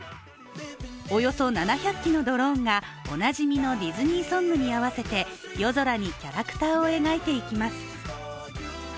およそ７００機のドローンがおなじみのディズニーソングに合わせて夜空にキャラクターを描いていきます。